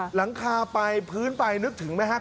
หลังคาไปพื้นไปนึกถึงไหมครับ